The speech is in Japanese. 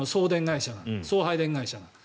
送配電会社が。